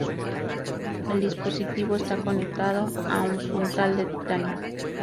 El dispositivo está conectado a un puntal de titanio.